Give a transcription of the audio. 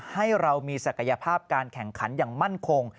ให้เรามีศักยภาพการแข่งขันอย่างมั่นคง